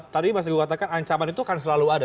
tadi mas teguh katakan ancaman itu akan selalu ada